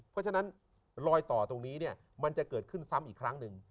เพราะฉะนั้นรอยต่อตรงนี้เนี่ยมันจะเกิดขึ้นซ้ำอีกครั้งหนึ่ง